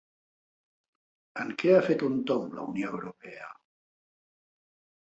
En què ha fet un tomb la Unió Europea?